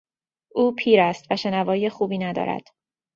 او پیر است و شنوایی خوبی ندارد.